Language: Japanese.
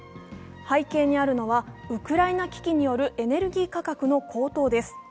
背景にあるのはウクライナ危機によるエネルギー価格の高騰です。